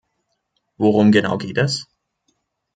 Worum genau geht es?